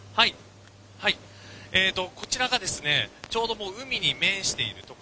こちらがちょうど海に面している所。